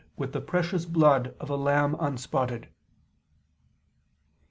. with the precious blood ... of a lamb unspotted."